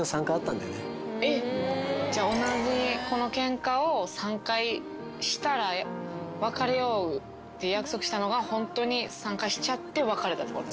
じゃあ同じケンカを３回したら別れようって約束したのがホントに３回しちゃって別れたってこと。